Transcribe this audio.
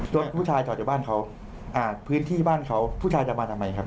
ผู้ชายจอดอยู่บ้านเขาอ่าพื้นที่บ้านเขาผู้ชายจะมาทำไมครับ